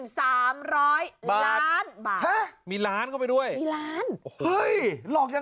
สามารถหลอกไว้